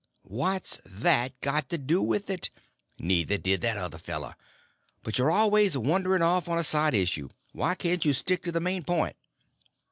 "What's that got to do with it? Neither did that other fellow. But you're always a wandering off on a side issue. Why can't you stick to the main point?"